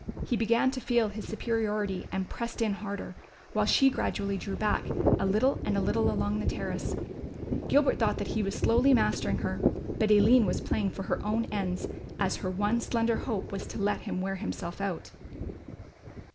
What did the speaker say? He began to feel his superiority and pressed in harder, while she gradually drew back a little and a little along the terrace. Gilbert thought that he was slowly mastering her; but Aline was playing for her own ends as her one slender hope was to let him wear himself out.